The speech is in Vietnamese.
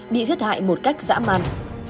bị giết hại một cách dã man